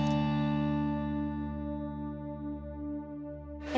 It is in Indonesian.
ya juga sih